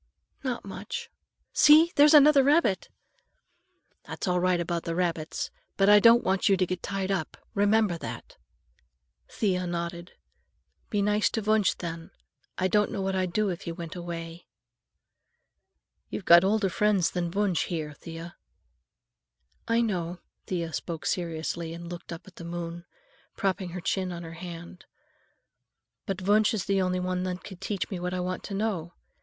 "Not much. See, there's another rabbit!" "That's all right about the rabbits, but I don't want you to get tied up. Remember that." Thea nodded. "Be nice to Wunsch, then. I don't know what I'd do if he went away." "You've got older friends than Wunsch here, Thea." "I know." Thea spoke seriously and looked up at the moon, propping her chin on her hand. "But Wunsch is the only one that can teach me what I want to know.